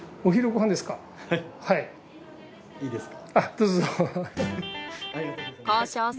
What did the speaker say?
いいですか？